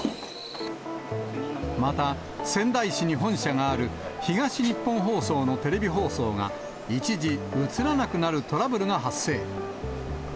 また、仙台市に本社がある東日本放送のテレビ放送が、一時映らなくなるトラブルが発生。